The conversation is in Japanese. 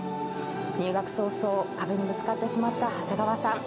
入学早々、壁にぶつかってしまった長谷川さん。